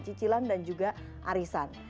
cicilan dan juga arisan